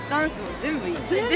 全部がいい！